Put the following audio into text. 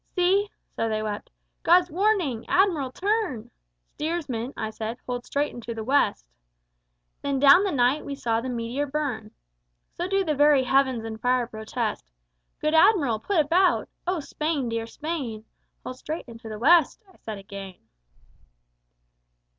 See (so they wept) God's Warning! Admiral, turn! Steersman, I said, hold straight into the West. Then down the night we saw the meteor burn. So do the very heavens in fire protest: Good Admiral, put about! O Spain, dear Spain! Hold straight into the West, I said again.